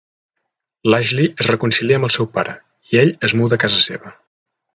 L'Ashley es reconcilia amb el seu pare i ell es muda a casa seva.